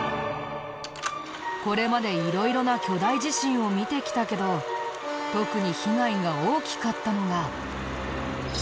これまで色々な巨大地震を見てきたけど特に被害が大きかったのが。